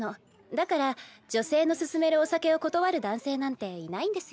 だから女性の勧めるお酒を断る男性なんていないんですよ。